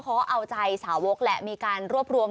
เพราะเอาใจสาวกแหละมีการรวบรวม